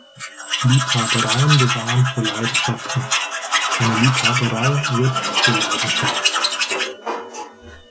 Liebhabereien bewahren vor Leidenschaften; eine Liebhaberei wird zur Leidenschaft.